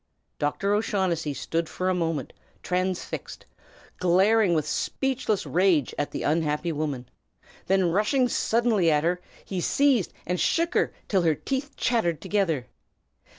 Dr. O'Shaughnessy stood for a moment transfixed, glaring with speechless rage at the unhappy woman; then rushing suddenly at her, he seized and shook her till her teeth chattered together.